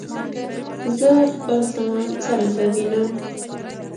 زه خپل ځان څرنګه وینم؟